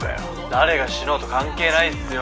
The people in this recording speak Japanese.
誰が死のうと関係ないっすよ。